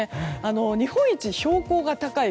日本一標高が高い